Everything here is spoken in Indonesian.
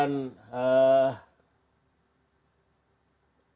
tingkat harapan hidup juga kalimantan timur